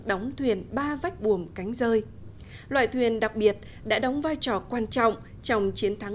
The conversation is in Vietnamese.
đóng thuyền ba vách bùm cánh rơi loại thuyền đặc biệt đã đóng vai trò quan trọng trong chiến thắng